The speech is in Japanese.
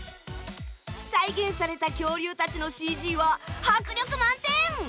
再現された恐竜たちのＣＧは迫力満点！